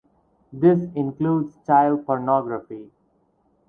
This includes child pornography.